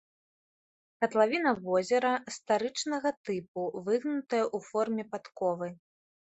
Катлавіна возера старычнага тыпу, выгнутая ў форме падковы.